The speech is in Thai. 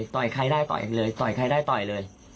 ใครได้ต่อยเลยต่อยใครได้ต่อยเลย